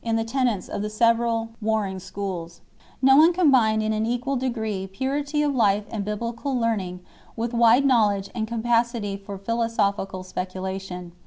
the tenets of the several warring schools; no one com bined in an equal degree purity of life and Biblical learn ing with wide knowledge and capacity for philosophical speculation.